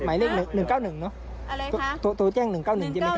หมายเลขหนึ่งเก้าหนึ่งเนอะอะไรฮะโทรแจ้งหนึ่งเก้าหนึ่งใช่ไหมครับ